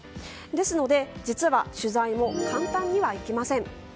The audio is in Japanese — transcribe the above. ですので、実は取材も簡単にはいきません。